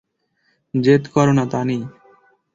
জেদ কোরো না, তানি!